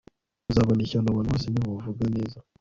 muzabona ishyano abantu bose nibabavuga neza